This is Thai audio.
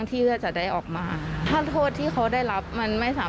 ความโหโชคดีมากที่วันนั้นไม่ถูกในไอซ์แล้วเธอเคยสัมผัสมาแล้วว่าค